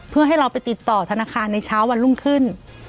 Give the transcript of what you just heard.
เพื่อให้เราไปติดต่อธนาคารในเช้าวันรุ่งขึ้น